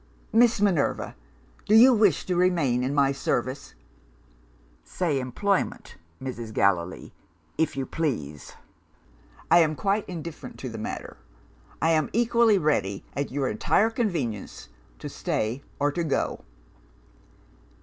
"'Miss Minerva! Do you wish to remain in my service?' "'Say employment, Mrs. Gallilee if you please. I am quite indifferent in the matter. I am equally ready, at your entire convenience, to stay or to go.